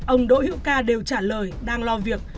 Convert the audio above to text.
ông đỗ hữu ca đều trả lời đang lo việc